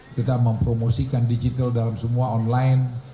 kita mempromosikan digital dalam semua online